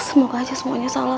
semoga aja semuanya salah